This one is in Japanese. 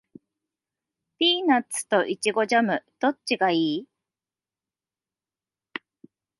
ピーナッツとイチゴジャム、どっちがいい？